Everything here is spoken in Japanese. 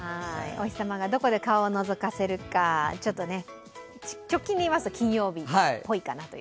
お日様がどこで顔をのぞかせるか、直近で言いますと金曜日っぽいかなと。